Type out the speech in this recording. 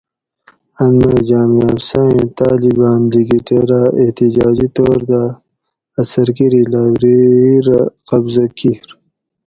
ان مئ جامعہ حفصہ ایں طالباۤن لِکیٹیر اۤ احتجاجی طور دہ اۤ سرکیری لایٔبریری رہ قبضہ کِیر